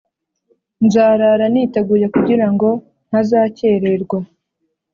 nzarara niteguye kugira ngo ntazakererwa